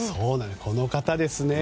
この方ですね。